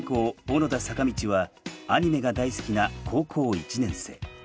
小野田坂道はアニメが大好きな高校１年生。